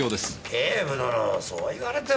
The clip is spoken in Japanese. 警部殿そう言われても。